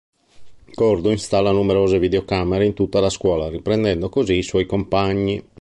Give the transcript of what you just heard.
Gordo installa numerose video camere in tutta la scuola riprendendo così i suoi compagni.